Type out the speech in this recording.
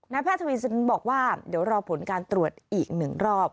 แพทย์ทวีสินบอกว่าเดี๋ยวรอผลการตรวจอีก๑รอบ